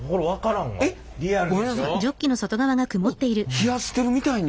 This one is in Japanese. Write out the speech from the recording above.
冷やしてるみたいに。